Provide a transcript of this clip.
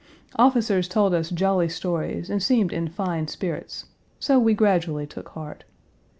Officers told us jolly stories and seemed in fine spirits, so we gradually took heart.